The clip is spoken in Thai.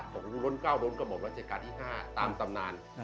ของรุนเก้ารุนกระหม่อรัฐกาลที่๕ตามตำนาน